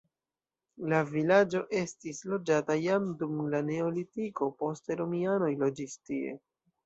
La vilaĝo estis loĝata jam dum la neolitiko, poste romianoj loĝis tie.